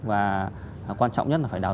và quan trọng nhất là phải đào tạo